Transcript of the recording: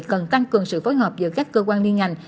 cần tăng cường sự phối hợp giữa các cơ quan liên ngành